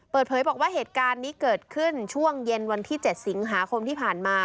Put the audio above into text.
เปิดเผยบอกว่าเหตุการณ์นี้เกิดขึ้นช่วงเย็นวันที่๗สิงหาคมที่ผ่านมา